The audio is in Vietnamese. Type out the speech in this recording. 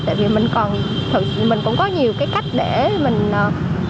tại vì mình còn thực sự mình cũng có nhiều cái cách để mình giải trí